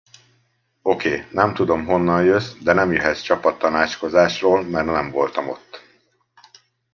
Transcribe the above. Oké, nem tudom, honnan jössz, de nem jöhetsz csapat tanácskozásról, mert nem voltam ott.